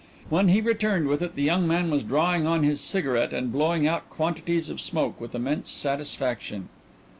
When he returned with it the young man was drawing on his cigarette and blowing out quantities of smoke with immense satisfaction.